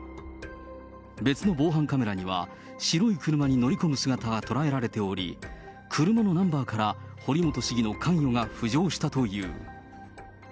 別の防犯カメラには、白い車に乗り込む姿が捉えられており、車のナンバーから、堀本市議の関与が浮上したという。